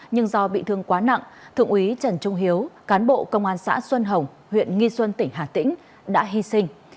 nhưng do bị thương quá nặng thượng úy trần trung hiếu cán bộ công an xã xuân hồng huyện nghi xuân tỉnh hà tĩnh đã hy sinh